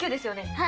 はい。